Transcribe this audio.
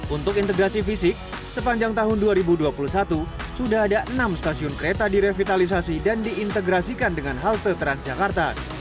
untuk integrasi fisik sepanjang tahun dua ribu dua puluh satu sudah ada enam stasiun kereta direvitalisasi dan diintegrasikan dengan halte transjakarta